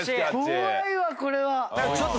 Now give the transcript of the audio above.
怖いわこれは。